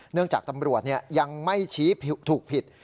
จากตำรวจยังไม่ชี้ถูกผิด